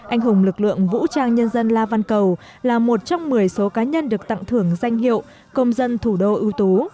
anh hùng lực lượng vũ trang nhân dân la văn cầu là một trong một mươi số cá nhân được tặng thưởng danh hiệu công dân thủ đô ưu tú